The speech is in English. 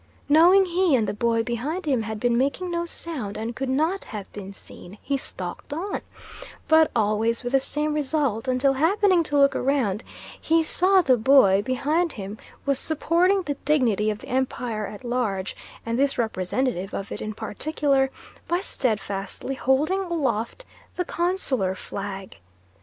Knowing he and the boy behind him had been making no sound and could not have been seen, he stalked on, but always with the same result; until happening to look round, he saw the boy behind him was supporting the dignity of the Empire at large, and this representative of it in particular, by steadfastly holding aloft the consular flag.